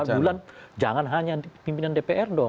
tiga atau empat bulan jangan hanya pimpinan dpr dong